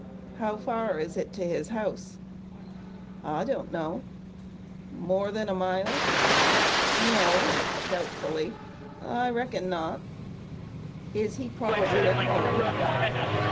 "How far is it to his house?" "I don't know." "More than a mile?" "No" (doubtfully), "I reckon not." "Is he probably at home?"